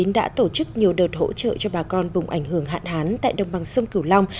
đã tổ chức nhiều đợt hỗ trợ cho bà con vùng ảnh hưởng hạn hán tại đồng bằng sông cửu long